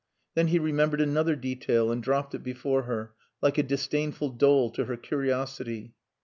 Then he remembered another detail and dropped it before her, like a disdainful dole to her curiosity.